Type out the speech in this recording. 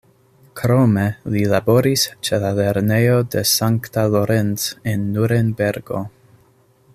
Krome li laboris ĉe la lernejo de St. Lorenz en Nurenbergo.